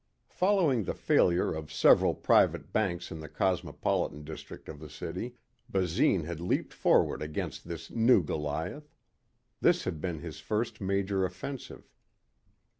Following the failure of several private banks in the cosmopolitan district of the city, Basine had leaped forward against this new Goliath. This had been his first major offensive.